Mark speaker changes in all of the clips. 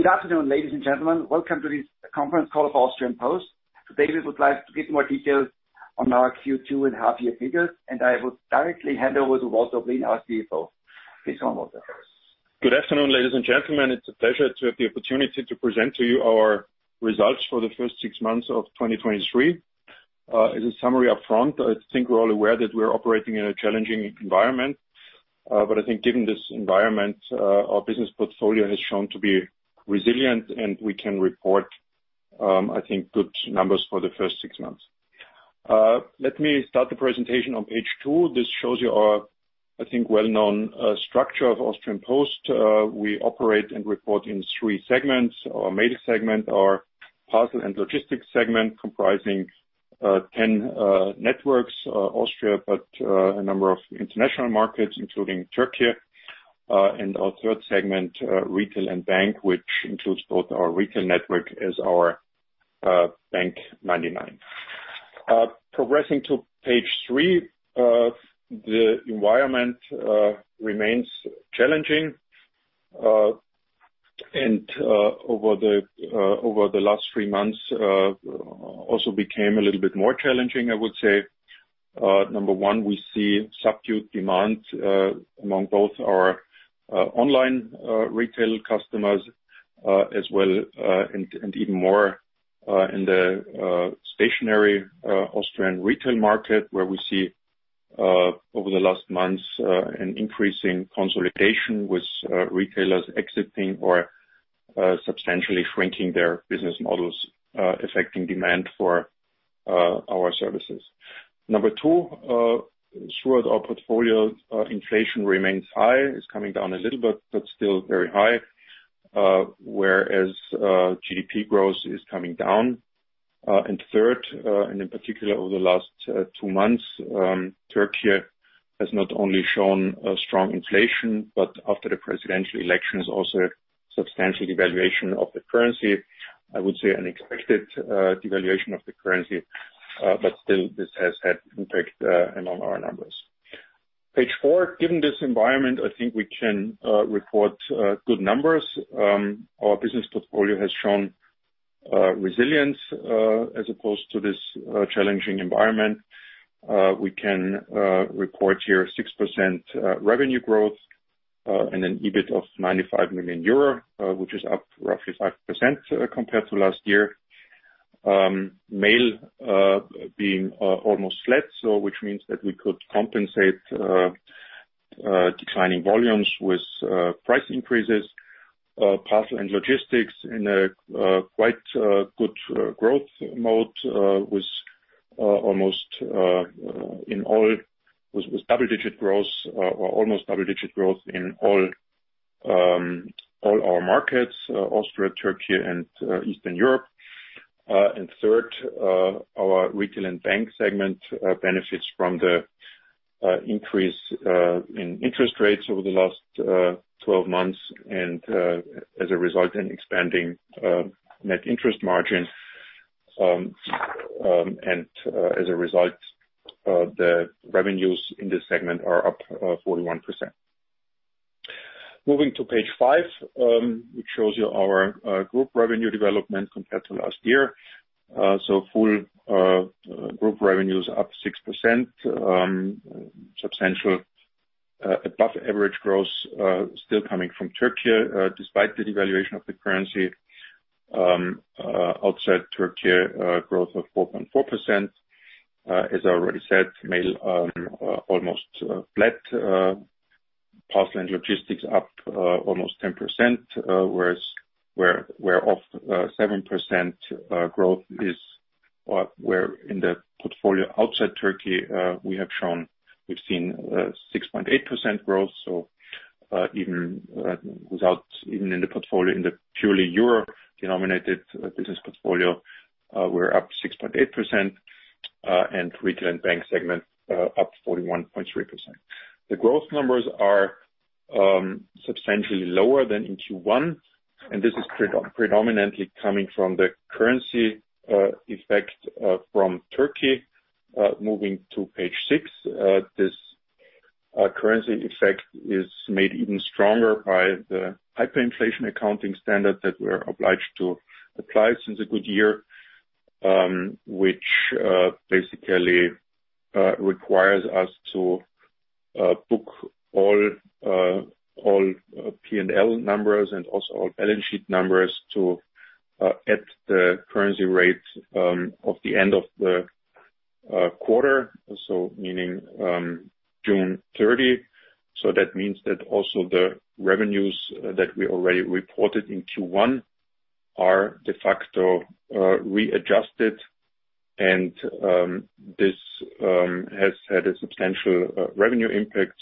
Speaker 1: Good afternoon, ladies and gentlemen. Welcome to this conference call of Österreichische Post. Today, we would like to give more details on our Q2 and half year figures, and I will directly hand over to Walter Oblin, our CFO. Please, welcome Walter.
Speaker 2: Good afternoon, ladies and gentlemen. It's a pleasure to have the opportunity to present to you our results for the first six months of 2023. As a summary up front, I think we're all aware that we're operating in a challenging environment, I think given this environment, our business portfolio has shown to be resilient, and we can report, I think, good numbers for the first six months. Let me start the presentation on page 2. This shows you our, I think, well-known structure of Österreichische Post. We operate and report in three segments. Our major segment, our parcel and logistics segment, comprising 10 networks, Austria, a number of international markets, including Turkey. And our third segment, retail and bank, which includes both our retail network as our bank99. Progressing to page 3, the environment remains challenging, and over the last 3 months, also became a little bit more challenging, I would say. Number 1, we see subdued demand among both our online retail customers, as well, and even more in the stationary Austrian retail market, where we see over the last months, an increasing consolidation with retailers exiting or substantially shrinking their business models, affecting demand for our services. Number 2, throughout our portfolio, inflation remains high. It's coming down a little bit, but still very high, whereas GDP growth is coming down. Third, in particular, over the last two months, Turkey has not only shown a strong inflation, but after the presidential elections, also substantial devaluation of the currency. I would say unexpected devaluation of the currency, but still, this has had impact among our numbers. Page 4, given this environment, I think we can report good numbers. Our business portfolio has shown resilience as opposed to this challenging environment. We can report here 6% revenue growth and an EBIT of 95 million euro, which is up roughly 5% compared to last year. Mail being almost flat, so which means that we could compensate declining volumes with price increases, parcel and logistics in a quite good growth mode with almost in all, with double-digit growth or almost double-digit growth in all our markets, Austria, Turkey, and Eastern Europe. Third, our retail and bank segment benefits from the increase in interest rates over the last 12 months, and as a result, an expanding net interest margin. As a result, the revenues in this segment are up 41%. Moving to page five, which shows you our group revenue development compared to last year. Full group revenue is up 6%, substantial above average growth still coming from Turkey, despite the devaluation of the currency. Outside Turkey, growth of 4.4%. As I already said, mail almost flat, parcel and logistics up almost 10%, whereas whereof 7% growth is where in the portfolio outside Turkey, we've seen 6.8% growth. Even without even in the portfolio, in the purely euro-denominated business portfolio, we're up 6.8%, and retail and bank segment up 41.3%. The growth numbers are substantially lower than in Q1, this is predominantly coming from the currency effect from Turkey. Moving to page 6, this currency effect is made even stronger by the hyperinflation accounting standard that we're obliged to apply since a good year, which basically requires us to book all P&L numbers and also all balance sheet numbers at the currency rate of the end of the quarter, meaning June 30. That means that also the revenues that we already reported in Q1 are de facto readjusted, and this has had a substantial revenue impact.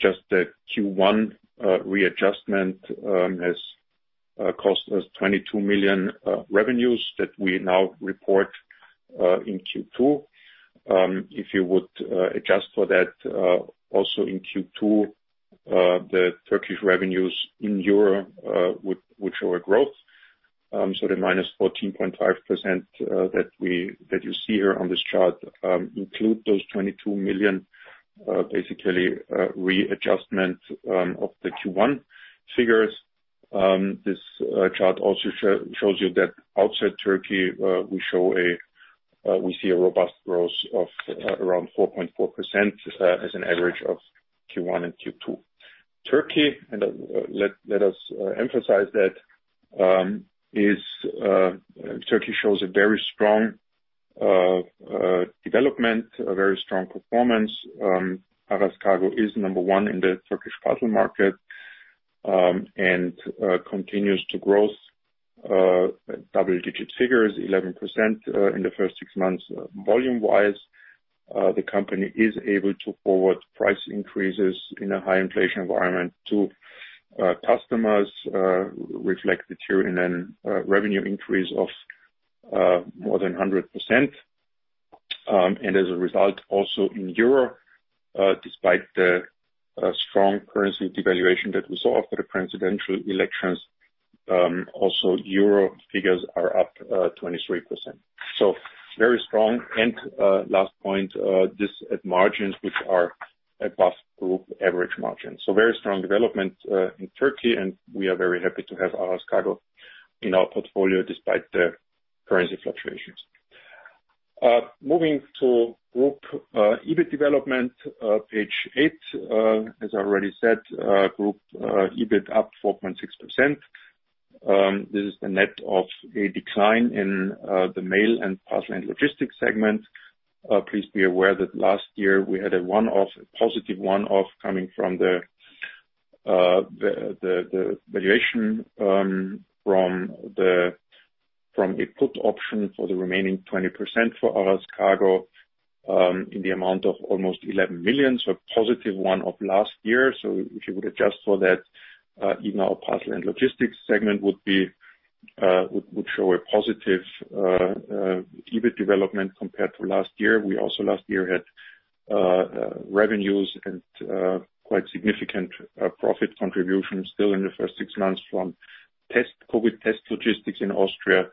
Speaker 2: Just the Q1 readjustment has cost us 22 million revenues that we now report in Q2. If you would adjust for that, also in Q2, the Turkish revenues in Europe would show a growth. The -14.5% that we, that you see here on this chart, include those 22 million basically readjustment of the Q1 figures. This chart also shows you that outside Turkey, we show a, we see a robust growth of around 4.4% as an average of Q1 and Q2. Turkey, let us emphasize that, is Turkey shows a very strong development, a very strong performance. Aras Kargo is number one in the Turkish parcel market, and continues to grow double-digit figures, 11% in the first six months. Volume-wise, the company is able to forward price increases in a high inflation environment to customers, reflect the tier and revenue increase of more than 100%. As a result, also in Europe, despite the strong currency devaluation that we saw after the presidential elections, EUR figures are up 23%. Very strong. Last point, this at margins, which are above group average margins. Very strong development in Turkey, and we are very happy to have Aras Kargo in our portfolio despite the currency fluctuations. Moving to group EBIT development, page 8. As I already said, group EBIT up 4.6%. This is the net of a decline in the Mail and parcel and logistics segment. Please be aware that last year we had a one-off, a positive one-off, coming from the valuation, from a put option for the remaining 20% for Aras Kargo, in the amount of almost 11 million. A positive one of last year. If you would adjust for that, even our parcel and logistics segment would be, would show a positive EBIT development compared to last year. We also last year had revenues and quite significant profit contribution still in the first six months from COVID test logistics in Austria.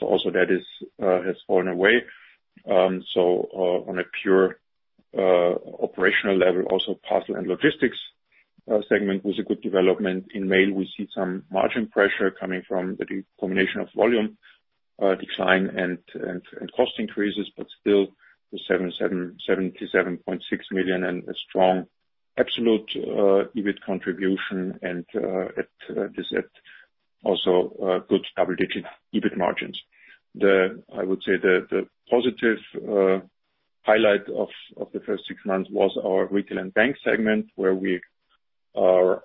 Speaker 2: Also that is has fallen away. On a pure operational level, also parcel and logistics segment was a good development. In mail, we see some margin pressure coming from the de- combination of volume, decline and cost increases. Still the 77.6 million and a strong absolute EBIT contribution, and it is at also good double-digit EBIT margins. I would say the positive highlight of the first six months was our retail and bank segment, where we are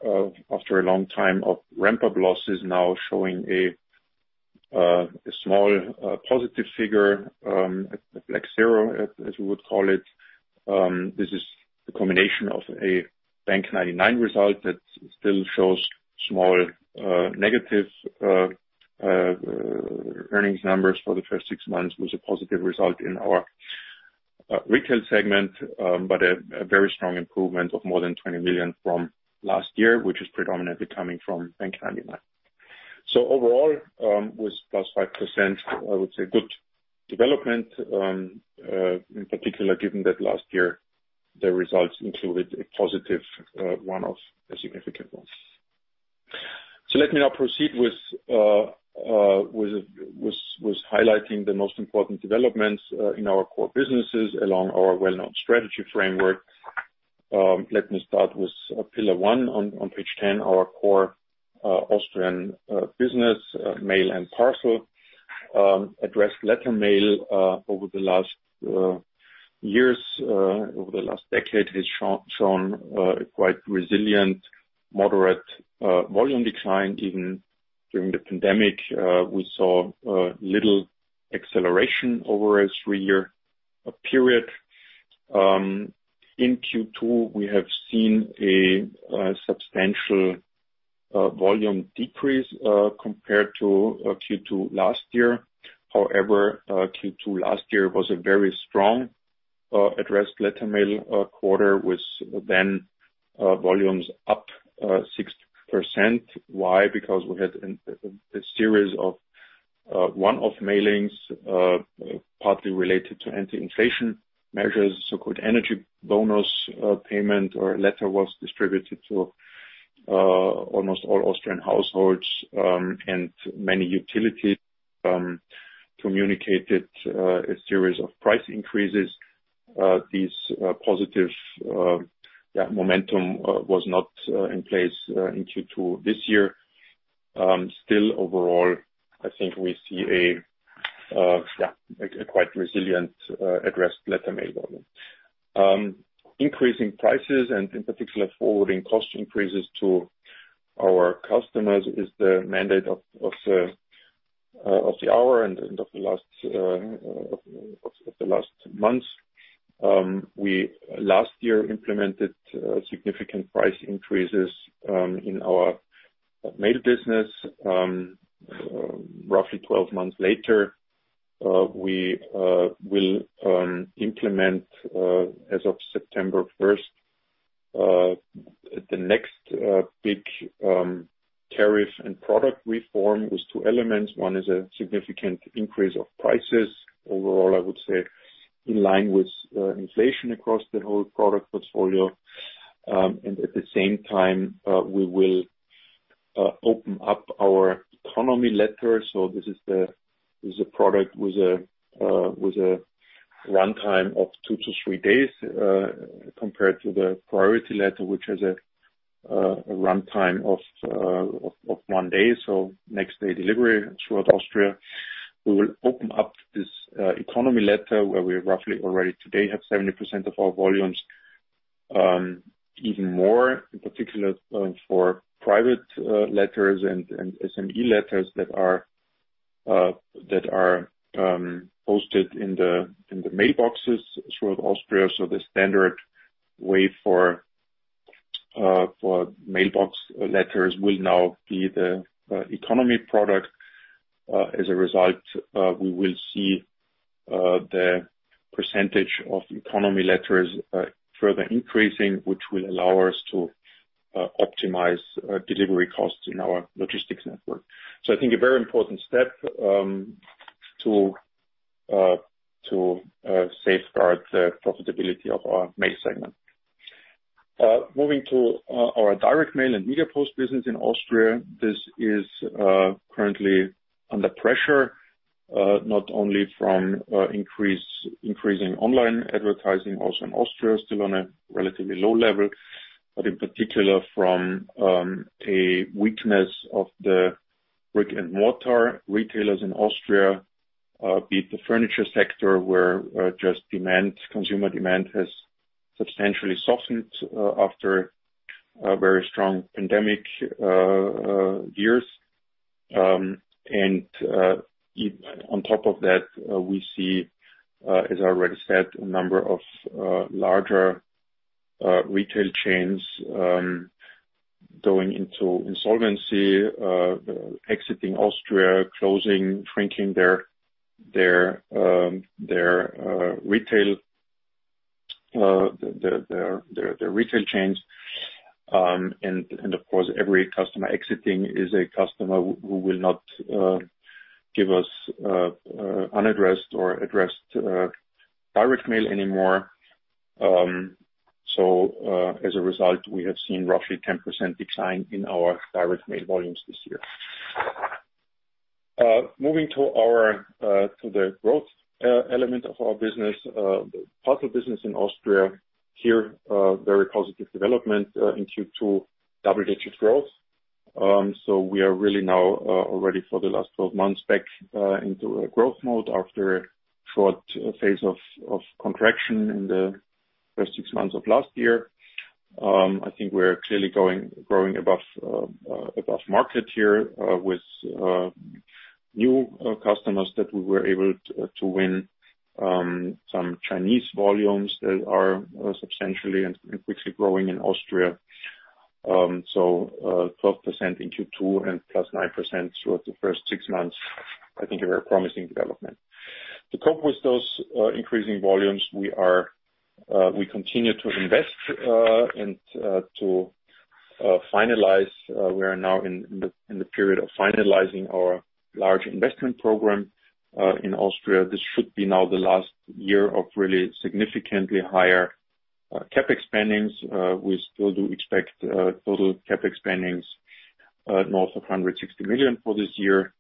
Speaker 2: after a long time of ramp-up losses, now showing a small positive figure, like zero, as we would call it. This is the combination of a bank99 result that still shows small negative earnings numbers for the first 6 months, was a positive result in our retail segment, but a very strong improvement of more than 20 million from last year, which is predominantly coming from bank99. Overall, was +5%, I would say good development, in particular, given that last year the results included a positive one-off, a significant one. Let me now proceed with highlighting the most important developments in our core businesses along our well-known strategy framework. Let me start with pillar 1 on page 10, our core Austrian business, mail and parcel. Addressed letter mail over the last years over the last decade has shown a quite resilient, moderate volume decline. Even during the pandemic, we saw little acceleration over a three-year period. In Q2, we have seen a substantial volume decrease compared to Q2 last year. However, Q2 last year was a very strong addressed letter mail quarter, with then volumes up 6%. Why? Because we had a series of one-off mailings partly related to anti-inflation measures, so-called energy bonus payment, or a letter was distributed to almost all Austrian households and many utilities communicated a series of price increases. These positive, yeah, momentum was not in place in Q2 this year. Still overall, I think we see a quite resilient addressed letter mail volume. Increasing prices and in particular, forwarding cost increases to our customers is the mandate of the hour and of the last months. We last year implemented significant price increases in our mail business. Roughly 12 months later, we will implement as of September 1. The next big tariff and product reform is 2 elements. One is a significant increase of prices. Overall, I would say in line with inflation across the whole product portfolio. At the same time, we will open up our Economy letter. So this is the- this is a product with a, uh, with a runtime of two to three days, uh, compared to the priority letter, which has a, uh, a runtime of, uh, of, of one day, so next day delivery throughout Austria. We will open up this, uh, economy letter, where we roughly already today have seventy percent of our volumes, um, even more, in particular, um, for private, uh, letters and, and SME letters that are, uh, that are, um, posted in the, in the mailboxes throughout Austria. So the standard way for, uh, for mailbox letters will now be the, uh, economy product. Uh, as a result, uh, we will see, uh, the percentage of economy letters, uh, further increasing, which will allow us to, uh, optimize, uh, delivery costs in our logistics network. I think a very important step to safeguard the profitability of our mail segment. Moving to our Direct Mail and Media Post business in Austria, this is currently under pressure, not only from increasing online advertising, also in Austria, still on a relatively low level, but in particular from a weakness of the brick-and-mortar retailers in Austria, be it the furniture sector, where just demand, consumer demand has substantially softened after very strong pandemic years. And on top of that, we see, as I already said, a number of larger retail chains going into insolvency, exiting Austria, closing, shrinking their, their, their retail, their, their, their, their retail chains. Of course, every customer exiting is a customer who will not give us unaddressed or addressed Direct Mail anymore. As a result, we have seen roughly 10% decline in our Direct Mail volumes this year. Moving to our to the growth element of our business, the parcel business in Austria, here, very positive development in Q2, double-digit growth. We are really now already for the last 12 months, back into a growth mode after a short phase of contraction in the first 6 months of last year. I think we're clearly going, growing above above market here, with new customers that we were able to win, some Chinese volumes that are substantially and quickly growing in Austria. So, 12% in Q2 and +9% throughout the first 6 months, I think a very promising development. To cope with those increasing volumes, we continue to invest and to finalize. We are now in the period of finalizing our large investment program in Austria. This should be now the last year of really significantly higher CapEx spendings. We still do expect total CapEx spendings north of 160 million for this year.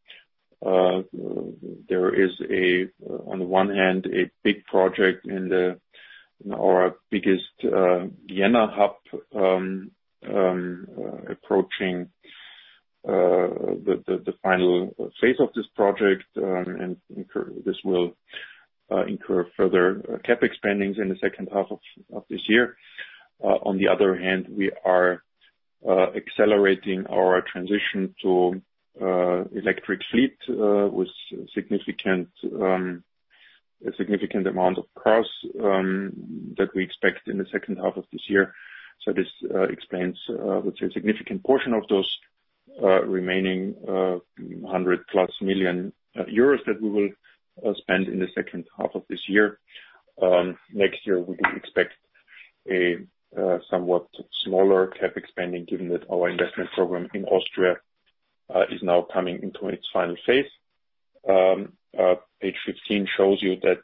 Speaker 2: There is, on the one hand, a big project in our biggest Vienna hub approaching the final phase of this project. And this will incur further CapEx spendings in the second half of this year. On the other hand, we are accelerating our transition to electric fleet with significant a significant amount of costs that we expect in the second half of this year. This explains what's a significant portion of those remaining 100+ million euros that we will spend in the second half of this year. Next year, we expect a somewhat smaller CapEx spending, given that our investment program in Austria is now coming into its final phase. Page 15 shows you that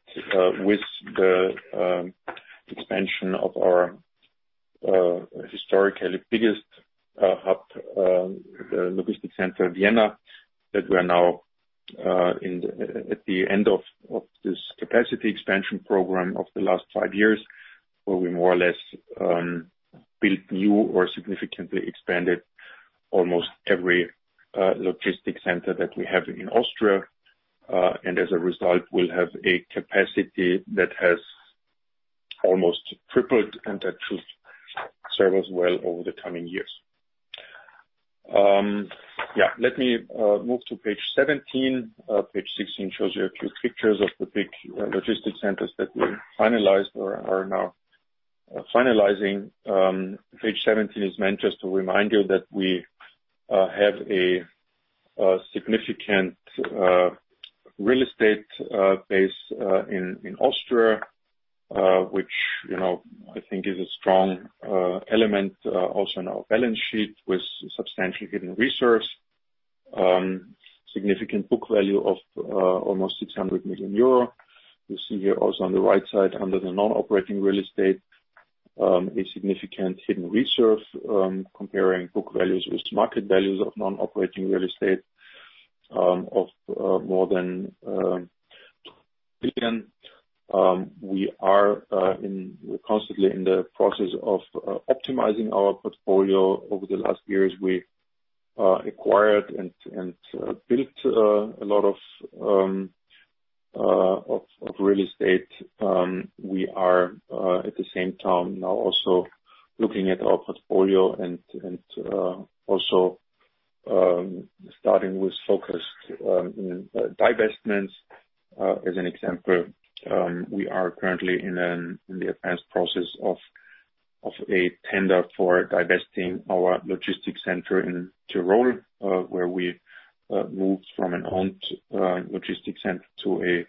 Speaker 2: with the expansion of our historically biggest hub, the logistic center, Vienna, that we are now at the end of this capacity expansion program of the last 5 years, where we more or less built new or significantly expanded almost every logistic center that we have in Austria. As a result, we'll have a capacity that has almost tripled, and that should serve us well over the coming years. Let me move to page 17. Page 16 shows you a few pictures of the big logistic centers that we finalized or are now finalizing. Page 17 is meant just to remind you that we have a-... Significant real estate base in Austria, which, you know, I think is a strong element also in our balance sheet, with substantially hidden resource, significant book value of almost 600 million euro. You see here also on the right side, under the non-operating real estate, a significant hidden reserve, comparing book values with market values of non-operating real estate, of more than 1 billion. We are in, we're constantly in the process of optimizing our portfolio. Over the last years, we acquired and, and built a lot of of real estate. We are at the same time now also looking at our portfolio and, and also starting with focused in divestments. As an example, we are currently in the advanced process of a tender for divesting our logistics center in Tyrol, where we moved from an owned logistics center to a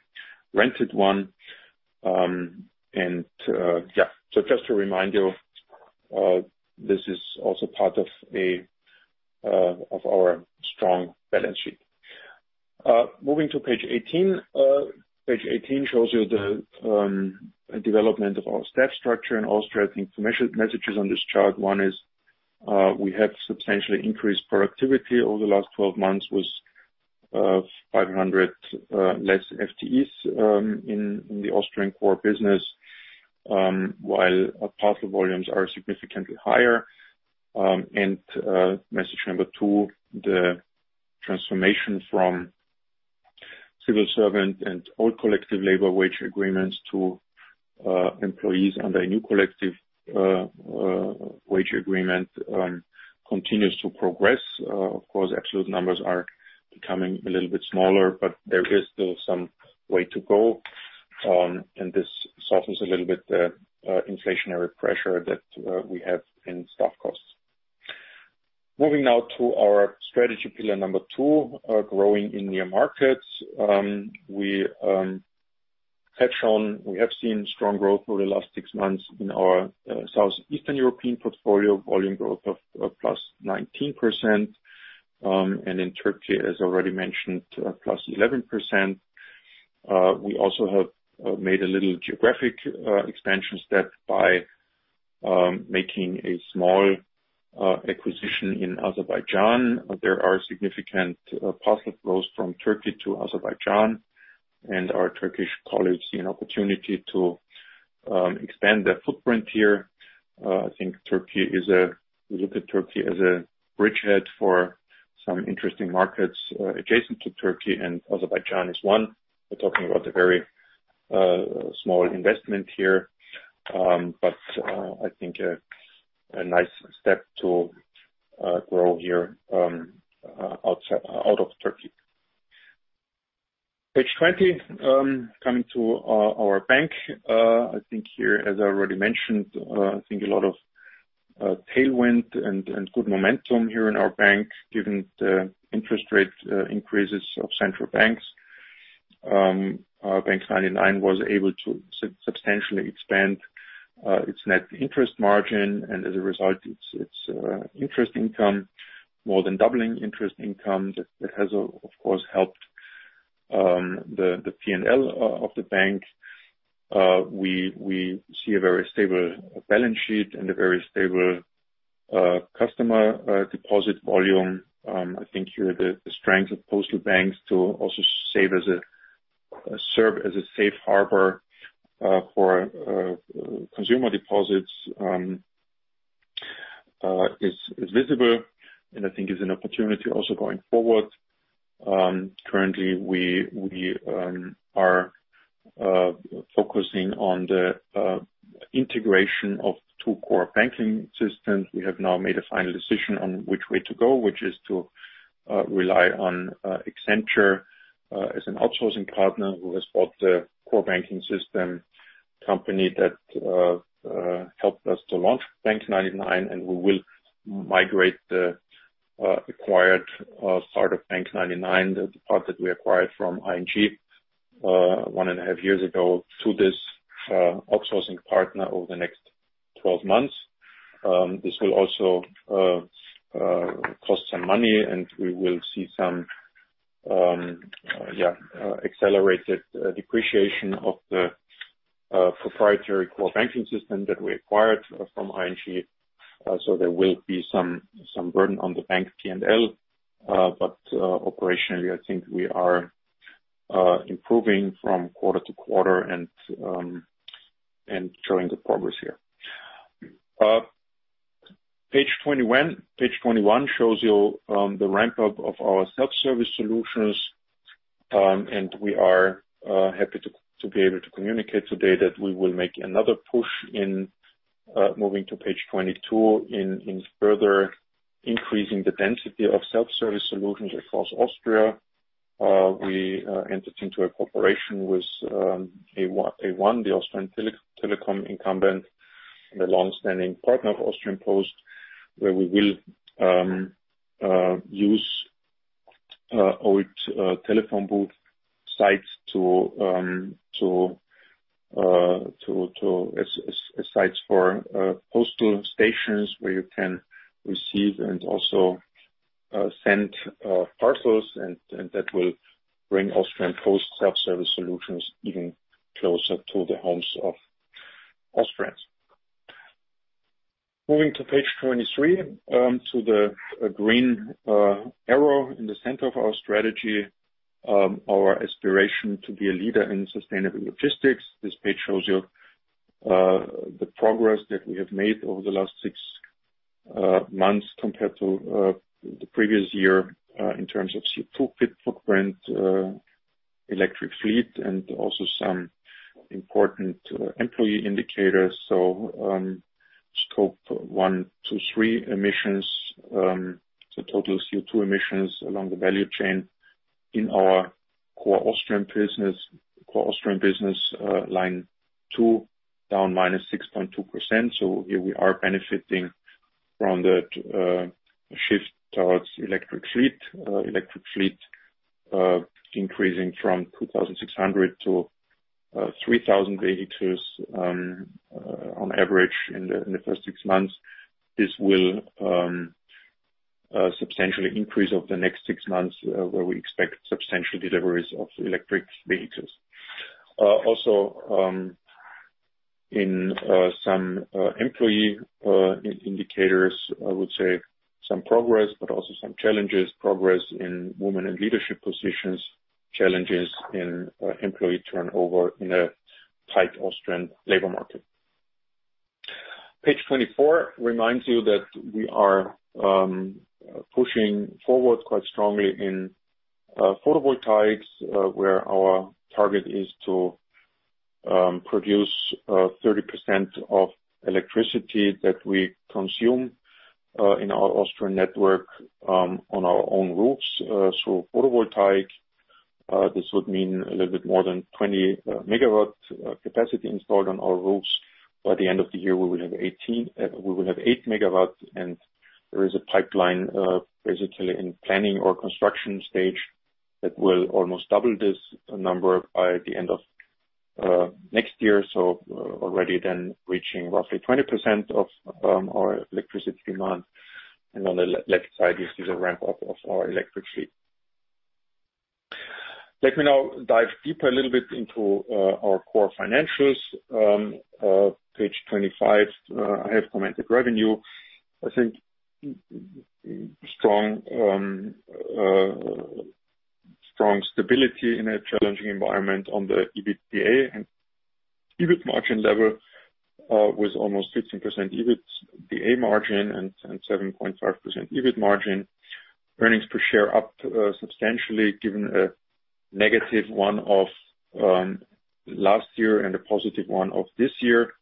Speaker 2: rented one. Just to remind you, this is also part of our strong balance sheet. Moving to page 18. Page 18 shows you the development of our staff structure in Austria. I think the messages on this chart, one is, we have substantially increased productivity over the last 12 months with 500 less FTEs in the Austrian core business, while our parcel volumes are significantly higher. Message number two, the transformation from civil servant and all collective labor wage agreements to employees under a new collective wage agreement continues to progress. Of course, absolute numbers are becoming a little bit smaller, but there is still some way to go. This softens a little bit the inflationary pressure that we have in staff costs. Moving now to our strategy pillar number two, growing in new markets. We have seen strong growth over the last six months in our Southeastern European portfolio, volume growth of plus 19%. And in Turkey, as already mentioned, plus 11%. We also have made a little geographic expansion step by making a small acquisition in Azerbaijan. There are significant parcel flows from Turkey to Azerbaijan. Our Turkish colleagues see an opportunity to expand their footprint here. I think Turkey is we look at Turkey as a bridgehead for some interesting markets adjacent to Turkey. Azerbaijan is one. We're talking about a very small investment here. I think a nice step to grow here outside, out of Turkey. Page 20, coming to our bank. I think here, as I already mentioned, I think a lot of tailwind and good momentum here in our bank, given the interest rate increases of central banks. Our bank99 was able to substantially expand its net interest margin, and as a result, its, its interest income, more than doubling interest income, that, that has, of course, helped the PNL of the bank. We see a very stable balance sheet and a very stable customer deposit volume. I think here, the strength of postal banks to also serve as a safe harbor for consumer deposits is visible, and I think is an opportunity also going forward. Currently, we, we are focusing on the integration of two core banking systems. We have now made a final decision on which way to go, which is to rely on Accenture as an outsourcing partner who has bought the core banking system company that helped us to launch bank99. we will migrate the acquired start of bank99, the part that we acquired from ING, 1.5 years ago, to this outsourcing partner over the next 12 months. This will also cost some money, and we will see some, yeah, accelerated depreciation of the proprietary core banking system that we acquired from ING. so there will be some, some burden on the bank PNL, but operationally, I think we are improving from quarter to quarter and showing good progress here. Page 21. Page 21 shows you the ramp-up of our self-service solutions. We are happy to be able to communicate today that we will make another push in moving to page 22, in further increasing the density of self-service solutions across Austria. We entered into a cooperation with A1, the Austrian telecom incumbent and a long-standing partner of Österreichische Post, where we will use old telephone booth sites as sites for postal stations, where you can receive and also send parcels. That will bring Österreichische Post self-service solutions even closer to the homes of Austrians. Moving to page 23, to the green arrow in the center of our strategy, our aspiration to be a leader in sustainable logistics. This page shows you the progress that we have made over the last six months compared to the previous year in terms of CO2 footprint, electric fleet, and also some important employee indicators. So, Scope 1, 2, and 3 emissions, so total CO2 emissions along the value chain in our core Austrian business, core Austrian business, line two, down -6.2%. So here we are benefiting from the shift towards electric fleet. Electric fleet increasing from 2,600 to 3,000 vehicles on average in the first six months. This will substantially increase over the next six months, where we expect substantial deliveries of electric vehicles. Also, in some employee indicators, I would say some progress, but also some challenges. Progress in women in leadership positions, challenges in employee turnover in a tight Austrian labor market. Page 24 reminds you that we are pushing forward quite strongly in photovoltaics, where our target is to produce 30% of electricity that we consume in our Austrian network on our own roofs. Photovoltaic, this would mean a little bit more than 20 megawatt capacity installed on our roofs. By the end of the year, we will have 8 megawatts, and there is a pipeline basically in planning or construction stage, that will almost double this number by the end of next year. Already then reaching roughly 20% of our electricity demand. On the left side, you see the ramp-up of our electric fleet. Let me now dive deeper a little bit into our core financials. Page 25, I have commented revenue. I think, strong stability in a challenging environment on the EBITDA and EBIT margin level, with almost 15% EBITDA margin and 7.5% EBIT margin. Earnings per share up substantially, given a negative one of last year and a positive one of this year,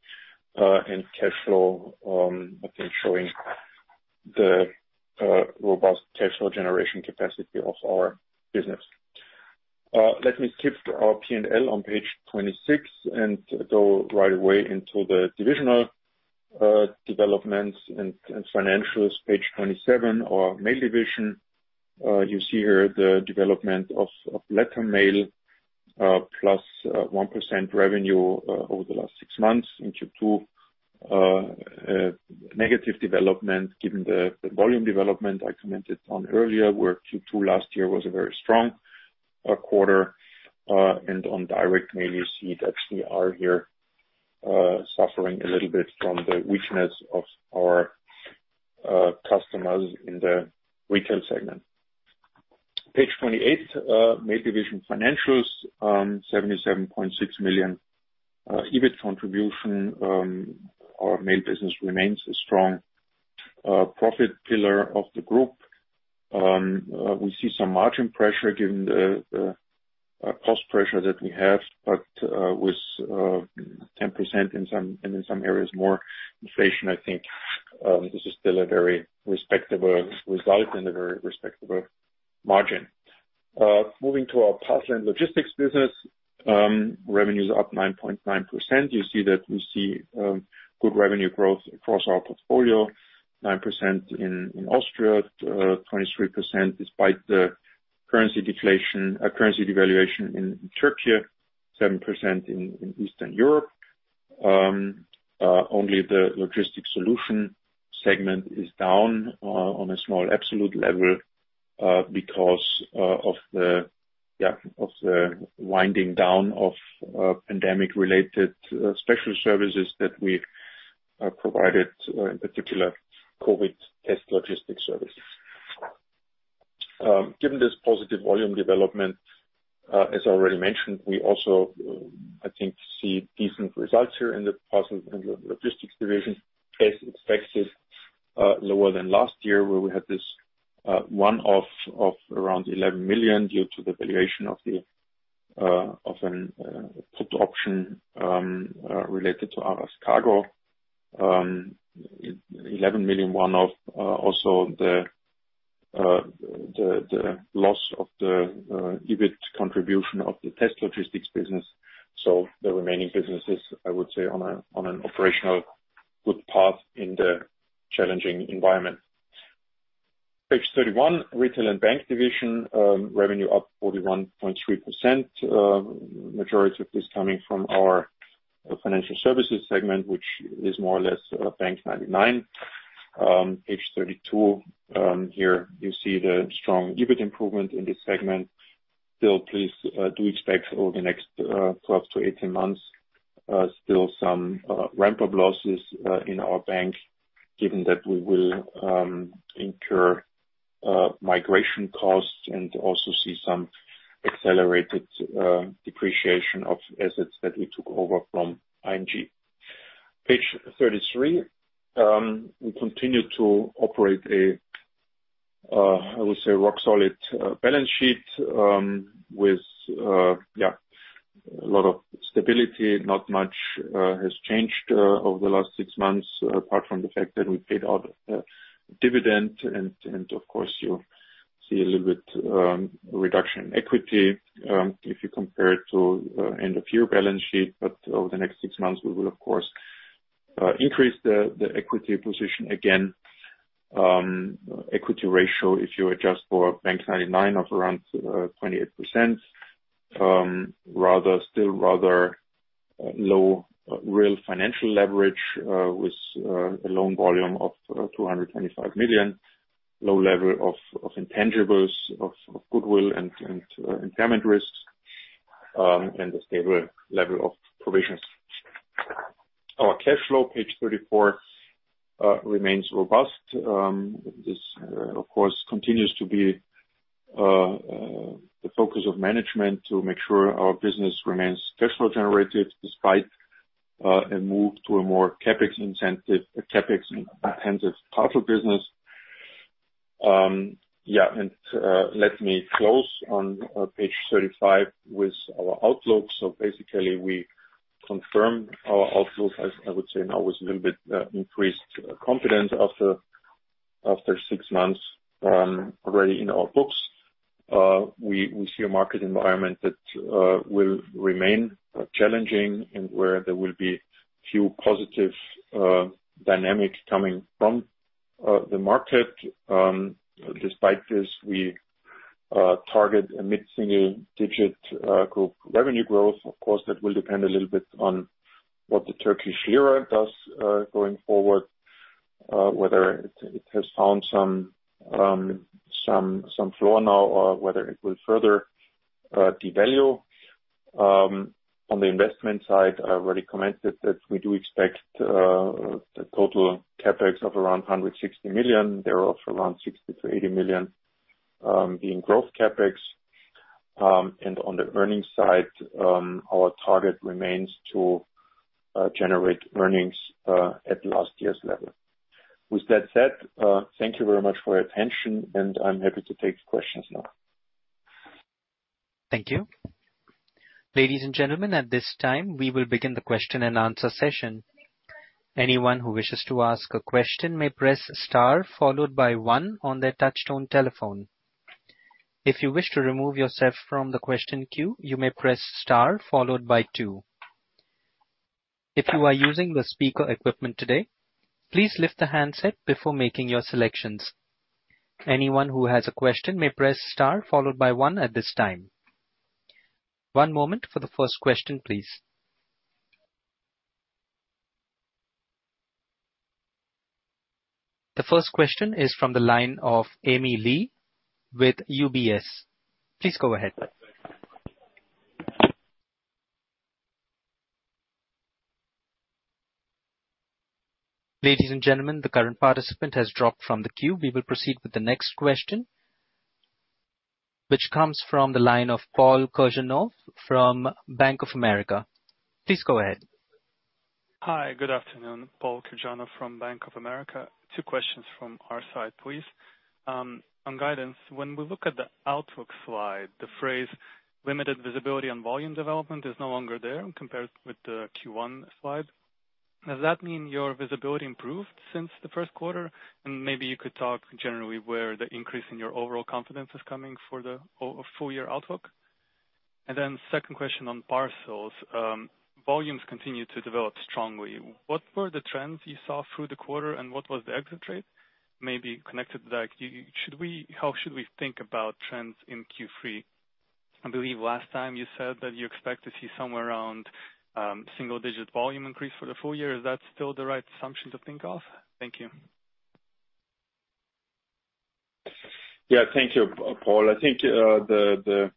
Speaker 2: and cash flow, I think showing the robust cash flow generation capacity of our business. Let me skip our P&L on page 26 and go right away into the divisional developments and financials. Page 27, our Mail division. You see here the development of, of letter mail, plus 1% revenue over the last 6 months. In Q2, negative development, given the volume development I commented on earlier, where Q2 last year was a very strong quarter. On Direct Mail, you see that we are here suffering a little bit from the weakness of our customers in the retail segment. Page 28, Mail division financials, 77.6 million EBIT contribution. Our mail business remains a strong profit pillar of the group. We see some margin pressure given the cost pressure that we have, but with 10% and some, and in some areas, more inflation, I think, this is still a very respectable result and a very respectable margin. Moving to our parcel and logistics business, revenues up 9.9%. You see that we see good revenue growth across our portfolio. 9% in, in Austria, 23%, despite the currency deflation, currency devaluation in Turkey, 7% in, in Eastern Europe. Only the logistics solution segment is down on a small absolute level because of the winding down of pandemic-related special services that we provided in particular, COVID test logistics services. Given this positive volume development, as already mentioned, we also, I think, see decent results here in the parcel and logistics division. As expected, lower than last year, where we had this one-off of around 11 million due to the valuation of the-... of an put option related to Aras Kargo. 11 million one-off, also the loss of the EBIT contribution of the test logistics business. The remaining businesses, I would say, on an operational good path in the challenging environment. Page 31, retail and bank division. Revenue up 41.3%. Majority of this coming from our financial services segment, which is more or less Bank99. Page 32, here you see the strong EBIT improvement in this segment. Still, please, do expect over the next 12-18 months, still some ramp-up losses in our bank, given that we will incur migration costs and also see some accelerated depreciation of assets that we took over from ING. Page 33, we continue to operate a, I would say, rock-solid balance sheet, with, yeah, a lot of stability. Not much has changed over the last 6 months, apart from the fact that we paid out dividend. Of course, you see a little bit reduction in equity, if you compare it to end of year balance sheet. Over the next 6 months, we will of course, increase the equity position again. Equity ratio, if you adjust for Bank99 of around 28%, rather, still rather low real financial leverage, with a loan volume of 225 million. Low level of intangibles, goodwill and impairment risks, and a stable level of provisions. Our cash flow, page 34, remains robust. This, of course, continues to be the focus of management to make sure our business remains cash flow generative, despite a move to a more CapEx incentive, CapEx intensive part of business. Let me close on page 35 with our outlook. Basically, we confirm our outlook, as I would say now, with a little bit increased confidence after 6 months already in our books. We, we see a market environment that will remain challenging and where there will be few positive dynamics coming from the market. Despite this, we target a mid-single-digit group revenue growth. Of course, that will depend a little bit on what the Turkish lira does, going forward, whether it, it has found some, some, some floor now or whether it will further devalue. On the investment side, I already commented that we do expect the total CapEx of around 160 million. There are around 60 million-80 million being growth CapEx. On the earnings side, our target remains to generate earnings at last year's level. With that said, thank you very much for your attention, and I'm happy to take questions now.
Speaker 1: Thank you. Ladies and gentlemen, at this time, we will begin the question and answer session. Anyone who wishes to ask a question may press star, followed by one on their touchtone telephone. If you wish to remove yourself from the question queue, you may press star followed by two. If you are using the speaker equipment today, please lift the handset before making your selections. Anyone who has a question may press star, followed by one at this time. One moment for the first question, please. The first question is from the line of Amy Lo with UBS. Please go ahead. Ladies and gentlemen, the current participant has dropped from the queue. We will proceed with the next question, which comes from the line of Paul Donofrio from Bank of America. Please go ahead.
Speaker 3: Hi, good afternoon. Paul Donofrio from Bank of America. Two questions from our side, please. On guidance, when we look at the outlook slide, the phrase "limited visibility on volume development" is no longer there compared with the Q1 slide. Does that mean your visibility improved since the Q1? Maybe you could talk generally, where the increase in your overall confidence is coming for the full year outlook. Then second question on parcels. Volumes continue to develop strongly. What were the trends you saw through the quarter, and what was the exit rate? Maybe connected to that, how should we think about trends in Q3? I believe last time you said that you expect to see somewhere around single-digit volume increase for the full year. Is that still the right assumption to think of? Thank you.
Speaker 2: Yeah. Thank you, Paul. I think, the, the,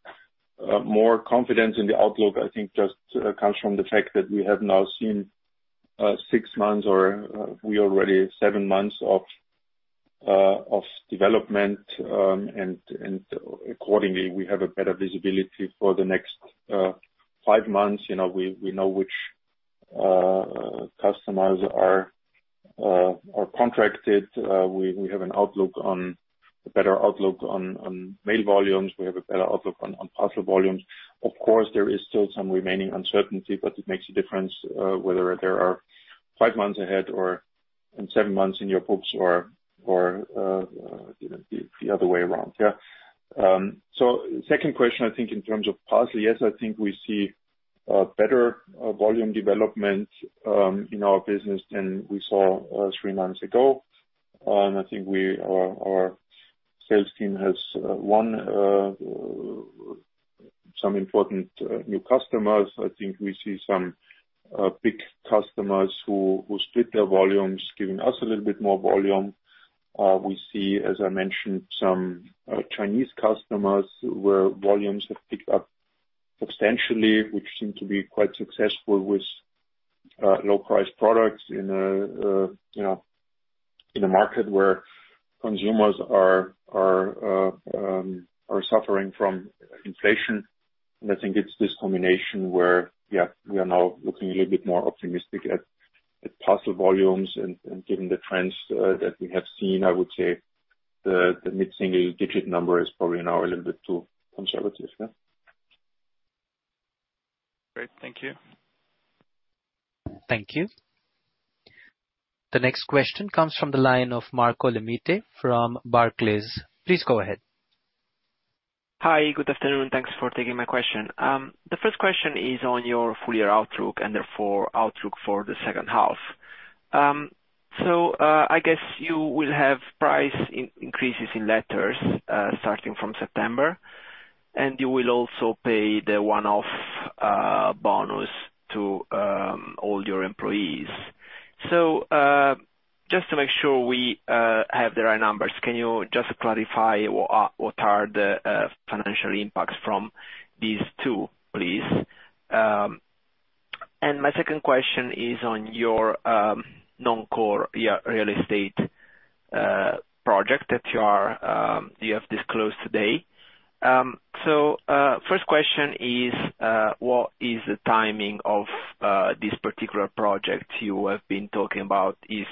Speaker 2: more confidence in the outlook, I think, just comes from the fact that we have now seen, six months or, we already seven months of development. Accordingly, we have a better visibility for the next five months. You know, we, we know customers are contracted, we have an outlook on, a better outlook on mail volumes. We have a better outlook on parcel volumes. Of course, there is still some remaining uncertainty, but it makes a difference, whether there are five months ahead or, and seven months in your books or, you know, the other way around, yeah. Second question, I think in terms of parcel, yes, I think we see better volume development in our business than we saw three months ago. I think our, our sales team has won some important new customers. I think we see some big customers who split their volumes, giving us a little bit more volume. We see, as I mentioned, some Chinese customers, where volumes have picked up substantially, which seem to be quite successful with low price products in a, you know, in a market where consumers are, are suffering from inflation. I think it's this combination where, yeah, we are now looking a little bit more optimistic at, at parcel volumes, and, and given the trends that we have seen, I would say the, the mid-single digit number is probably now a little bit too conservative, yeah.
Speaker 3: Great, thank you.
Speaker 1: Thank you. The next question comes from the line of Marco Limite from Barclays. Please, go ahead.
Speaker 4: Hi, good afternoon, thanks for taking my question. The first question is on your full year outlook, and therefore outlook for the second half. I guess you will have price increases in letters, starting from September, and you will also pay the one-off bonus to all your employees. Just to make sure we have the right numbers, can you just clarify what are the financial impacts from these two, please? My second question is on your non-core, yeah, real estate project that you are you have disclosed today. First question is what is the timing of this particular project you have been talking about? Is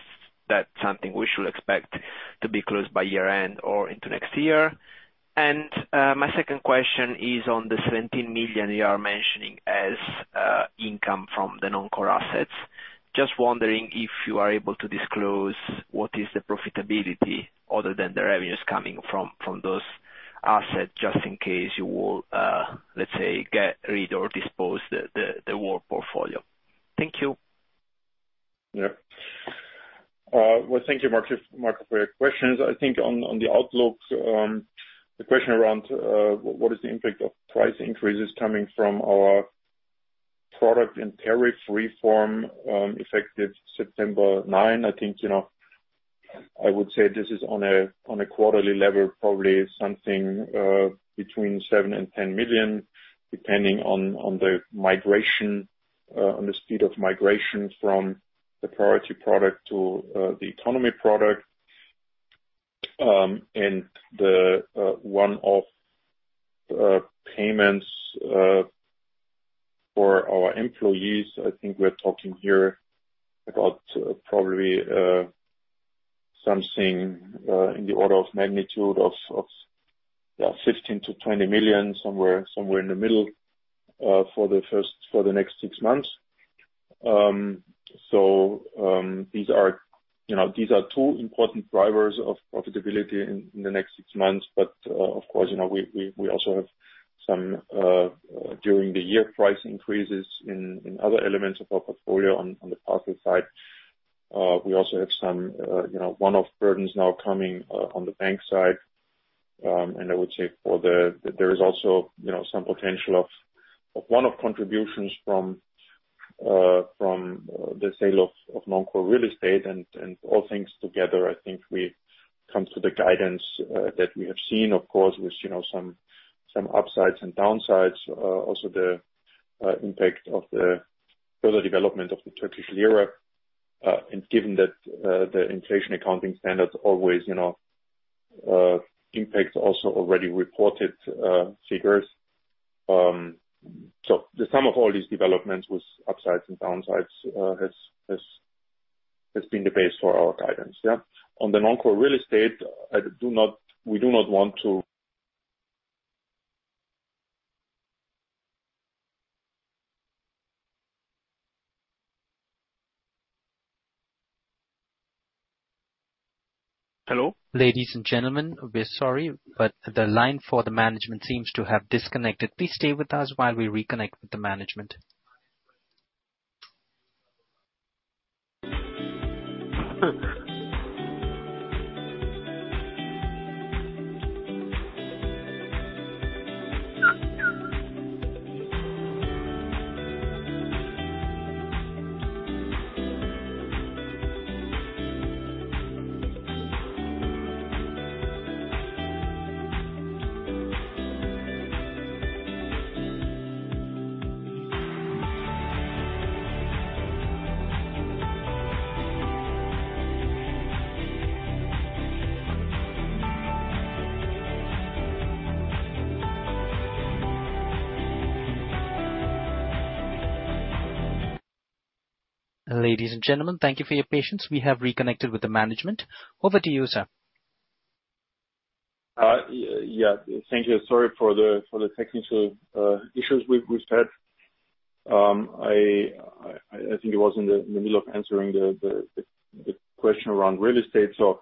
Speaker 4: that something we should expect to be closed by year-end or into next year? My second question is on the 17 million you are mentioning as income from the non-core assets. Just wondering if you are able to disclose what is the profitability other than the revenues coming from, from those assets, just in case you will, let's say, get rid or dispose the, the, the whole portfolio. Thank you.
Speaker 2: Well, thank you, Marco, Marco, for your questions. I think on, on the outlook, the question around what is the impact of price increases coming from our product and tariff reform, effective September 9? I think, you know, I would say this is on a quarterly level, probably something between 7 and 10 million, depending on the migration, on the speed of migration from the Priority product to the Economy product. And the one-off payments for our employees, I think we're talking here about probably something in the order of magnitude of 15 to 20 million, somewhere, somewhere in the middle, for the next six months. These are, you know, these are two important drivers of profitability in the next six months. Of course, you know, we, we, we also have some during the year, price increases in other elements of our portfolio on the parcel side. We also have some, you know, one-off burdens now coming on the bank side. I would say that there is also, you know, some potential of one-off contributions from from the sale of non-core real estate. All things together, I think we come to the guidance that we have seen, of course, with, you know, some, some upsides and downsides. Also the impact of the further development of the Turkish lira. Given that the inflation accounting standards always, you know, impacts also already reported figures. The sum of all these developments with upsides and downsides, has, has, has been the base for our guidance, yeah? On the non-core real estate, I do not-- we do not want to... Hello?
Speaker 1: Ladies and gentlemen, we're sorry. The line for the management seems to have disconnected. Please stay with us while we reconnect with the management. ... Ladies and gentlemen, thank you for your patience. We have reconnected with the management. Over to you, sir.
Speaker 2: Yeah, thank you. Sorry for the technical issues we've had. I think it was in the middle of answering the question around real estate, so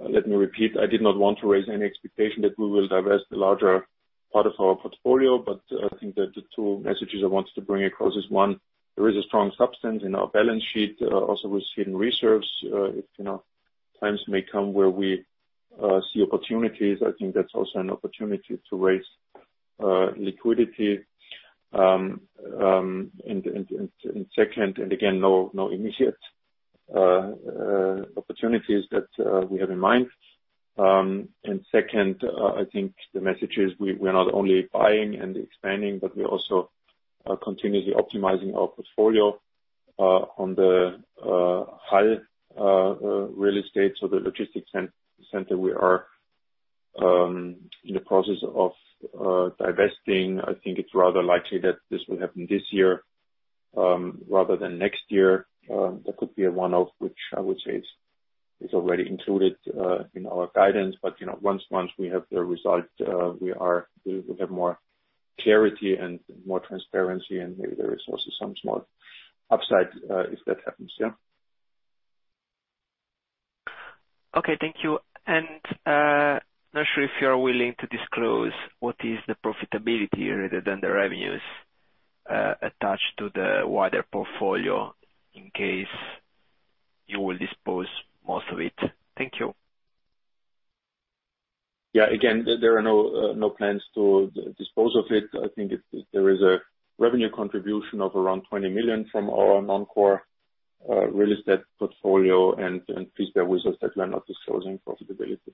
Speaker 2: let me repeat. I did not want to raise any expectation that we will divest the larger part of our portfolio, but I think that the two messages I wanted to bring across is, one, there is a strong substance in our balance sheet. Also, we've seen reserves, you know, times may come where we see opportunities. I think that's also an opportunity to raise liquidity. Second, and again, no immediate opportunities that we have in mind. Second, I think the message is we, we are not only buying and expanding, but we are also continuously optimizing our portfolio on the high real estate, so the logistics center we are in the process of divesting. I think it's rather likely that this will happen this year, rather than next year. That could be a one-off, which I would say is, is already included in our guidance. But, you know, once, once we have the result, we will have more clarity and more transparency, and maybe there is also some small upside if that happens. Yeah.
Speaker 4: Okay, thank you. Not sure if you are willing to disclose what is the profitability rather than the revenues, attached to the wider portfolio in case you will dispose most of it. Thank you.
Speaker 2: Yeah. Again, there are no, no plans to dispose of it. I think there is a revenue contribution of around 20 million from our non-core, real estate portfolio, and since we are not disclosing profitability.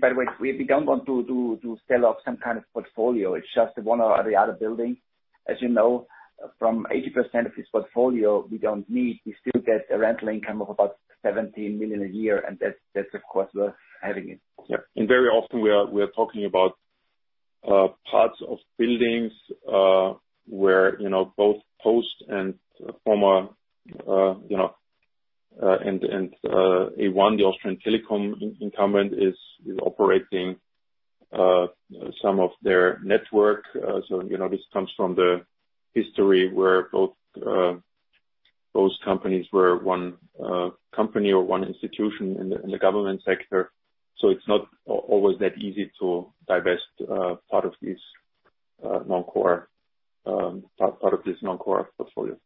Speaker 5: By the way, we don't want to sell off some kind of portfolio. It's just one or the other building. As you know, from 80% of this portfolio, we don't need. We still get a rental income of about 17 million a year, and that's, that's of course worth having it.
Speaker 2: Yeah. Very often we are, we are talking about parts of buildings where, you know, both Post and former, you know, and, and, A1, the Austrian telecom in- incumbent is operating some of their network. So, you know, this comes from the history where both those companies were one company or one institution in the, in the government sector. So it's not always that easy to divest part of this non-core portfolio.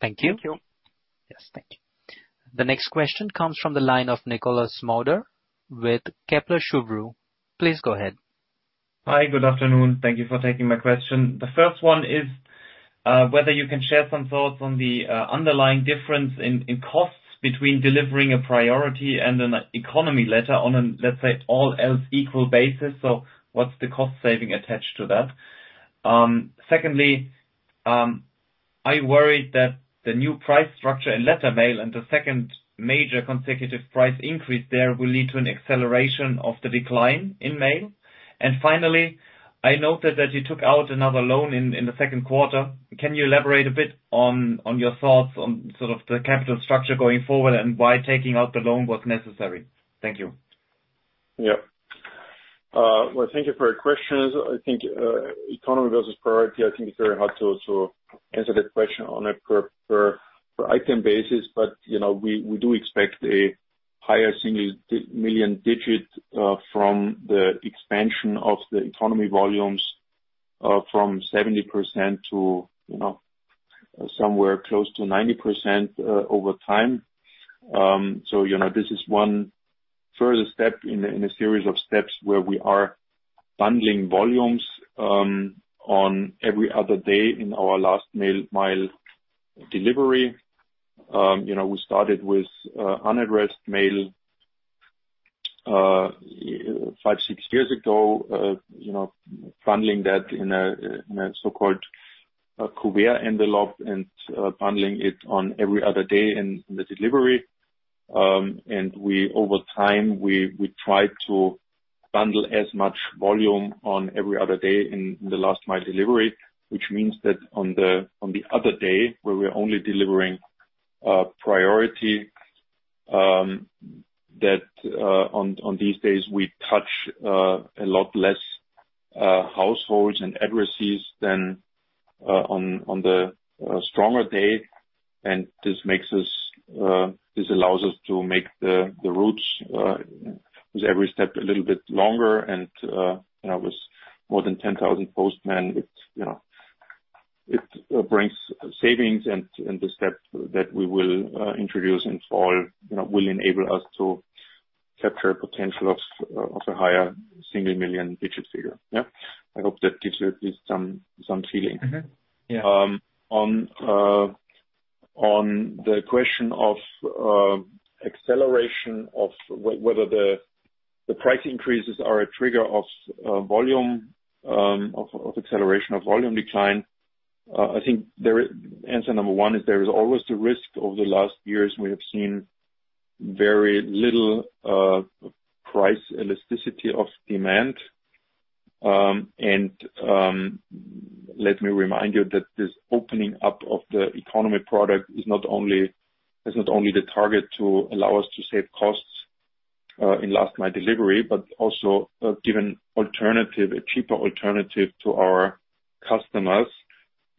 Speaker 4: Thank you.
Speaker 5: Thank you.
Speaker 1: Yes, thank you. The next question comes from the line of Nikolaus Mauder with Kepler Cheuvreux. Please go ahead.
Speaker 6: Hi, good afternoon. Thank you for taking my question. The first one is whether you can share some thoughts on the underlying difference in costs between delivering a Priority letter and an Economy letter on a, let's say, all else equal basis. What's the cost saving attached to that? Secondly, I worry that the new price structure in letter mail and the second major consecutive price increase there, will lead to an acceleration of the decline in mail. Finally, I noted that you took out another loan in the Q2. Can you elaborate a bit on your thoughts on sort of the capital structure going forward, and why taking out the loan was necessary? Thank you.
Speaker 2: Yeah. Well, thank you for your questions. I think Economy versus Priority, I think it's very hard to, to answer that question on a per, per, per item basis, but, you know, we, we do expect a higher single million digit, from the expansion of the Economy volumes, from 70% to, you know, somewhere close to 90%, over time. You know, this is one further step in a, in a series of steps where we are bundling volumes, on every other day in our last mail mile delivery. You know, we started with unaddressed mail, five, six years ago, you know, bundling that in a, in a so-called, cover envelope and, bundling it on every other day in, in the delivery. We over time, we, we tried to bundle as much volume on every other day in, in the last mile delivery, which means that on the, on the other day, where we're only delivering priority, that on these days, we touch a lot less households and addresses than on the stronger day. This makes us, this allows us to make the routes with every step a little bit longer and, you know, with more than 10,000 postmen, it, you know, it brings savings and, and the step that we will introduce in fall, you know, will enable us to capture a potential of a higher single million digit figure. Yeah? I hope that gives at least some, some feeling.
Speaker 6: Mm-hmm. Yeah.
Speaker 2: On, on the question of acceleration of whether the, the price increases are a trigger of volume, of acceleration of volume decline. I think there is. Answer number one is there is always the risk. Over the last years, we have seen very little price elasticity of demand. And, let me remind you that this opening up of the economy product is not only, is not only the target to allow us to save costs in last mile delivery, but also give an alternative, a cheaper alternative to our customers.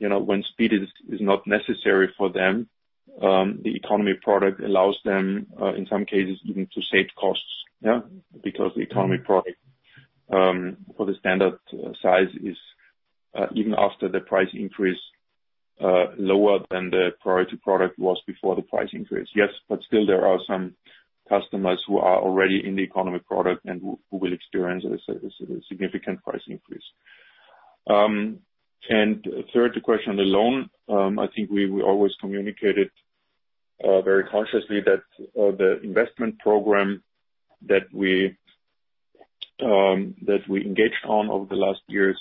Speaker 2: You know, when speed is, is not necessary for them, the economy product allows them, in some cases, even to save costs, yeah? The Economy product for the standard size is even after the price increase lower than the Priority product was before the price increase. Still there are some customers who are already in the Economy product and who will experience a significant price increase. Third, the question on the loan, I think we always communicated very consciously that the investment program that we that we engaged on over the last years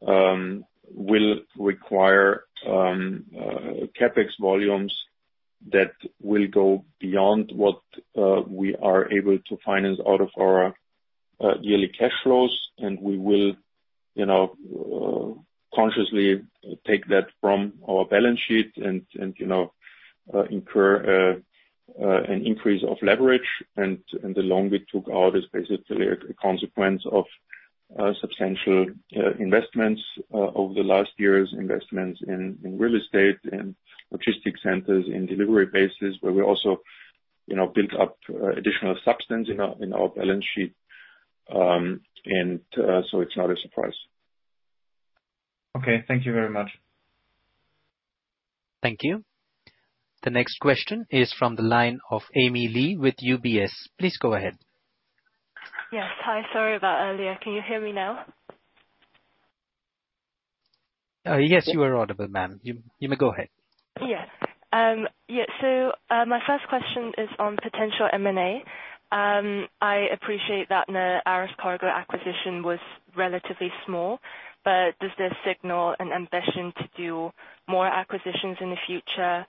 Speaker 2: will require CapEx volumes that will go beyond what we are able to finance out of our yearly cash flows. We will, you know, consciously take that from our balance sheet and, you know, incur an increase of leverage. The loan we took out is basically a consequence of substantial investments over the last years, investments in real estate and logistic centers, in delivery bases, where we also, you know, built up additional substance in our balance sheet. It's not a surprise.
Speaker 6: Okay. Thank you very much.
Speaker 1: Thank you. The next question is from the line of Amy Lo with UBS. Please go ahead.
Speaker 7: Yes, hi. Sorry about earlier. Can you hear me now?
Speaker 1: Yes, you are audible, ma'am. You, you may go ahead.
Speaker 7: Yeah. Yeah, my first question is on potential M&A. I appreciate that the Aras Kargo acquisition was relatively small, does this signal an ambition to do more acquisitions in the future?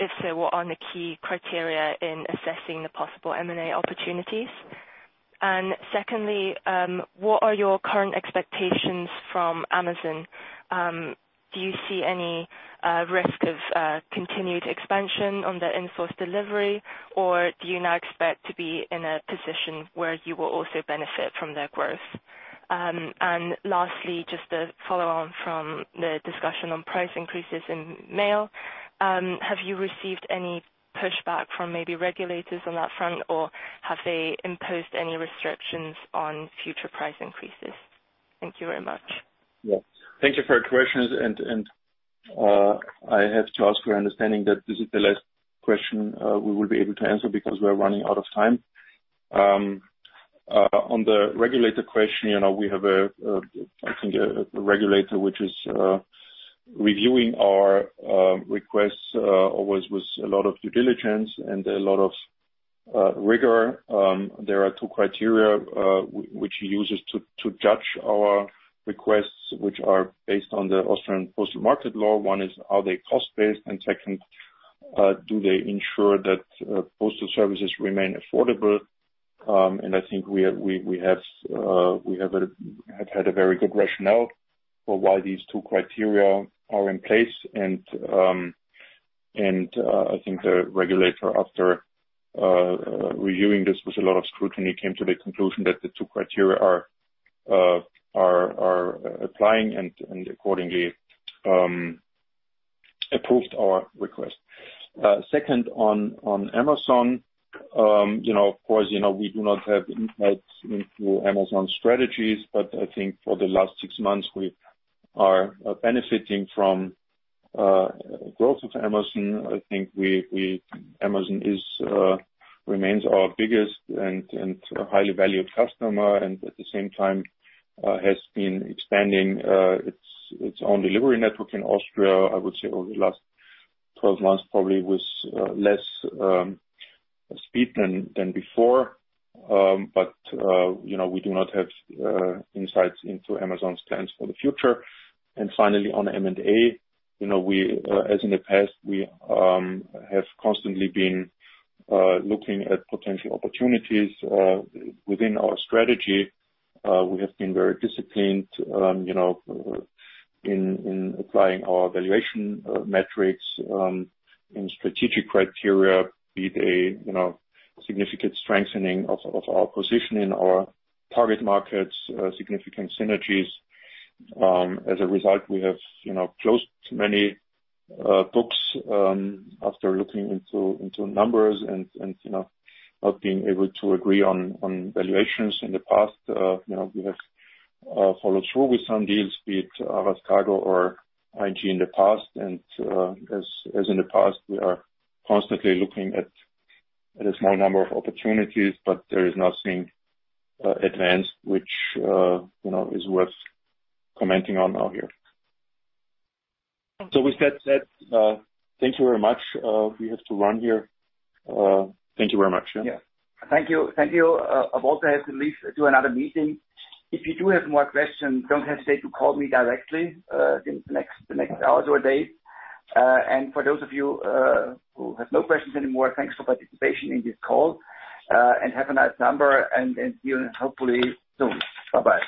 Speaker 7: If so, what are the key criteria in assessing the possible M&A opportunities? Secondly, what are your current expectations from Amazon? Do you see any risk of continued expansion on the in-source delivery, or do you now expect to be in a position where you will also benefit from their growth? Lastly, just to follow on from the discussion on price increases in mail, have you received any pushback from maybe regulators on that front, or have they imposed any restrictions on future price increases? Thank you very much.
Speaker 2: Yeah. Thank you for your questions, and, and, I have to ask for your understanding that this is the last question, we will be able to answer, because we are running out of time. On the regulator question, you know, we have a, a, I think, a, a regulator which is reviewing our requests always with a lot of due diligence and a lot of rigor. There are two criteria which he uses to judge our requests, which are based on the Austrian Postal Market Act. One is, are they cost-based? Second, do they ensure that postal services remain affordable? I think we have, we, we have, we have a, have had a very good rationale for why these two criteria are in place. I think the regulator, after reviewing this with a lot of scrutiny, came to the conclusion that the 2 criteria are applying and accordingly approved our request. Second, on Amazon, you know, of course, you know, we do not have insights into Amazon's strategies, but I think for the last 6 months, we are benefiting from growth of Amazon. I think we, we Amazon is remains our biggest and highly valued customer, and at the same time has been expanding its own delivery network in Austria, I would say over the last 12 months, probably with less speed than before. But, you know, we do not have insights into Amazon's plans for the future. Finally, on M&A, you know, we, as in the past, we, have constantly been looking at potential opportunities within our strategy. We have been very disciplined, you know, in applying our valuation metrics and strategic criteria, be it a, you know, significant strengthening of, of our position in our target markets, significant synergies. As a result, we have, you know, closed many books after looking into, into numbers and, and, you know, not being able to agree on valuations in the past. You know, we have followed through with some deals, be it Aras Kargo or euShipments.com in the past. As, as in the past, we are constantly looking at, at a small number of opportunities, but there is nothing advanced, which, you know, is worth commenting on out here. With that said, thank you very much. We have to run here.
Speaker 7: Thank you very much. Yeah.
Speaker 2: Yeah. Thank you, thank you. I've also have to leave to another meeting. If you do have more questions, don't hesitate to call me directly, in the next, the next hour or day. For those of you, who have no questions anymore, thanks for participation in this call. Have a nice number, and see you hopefully soon. Bye-bye.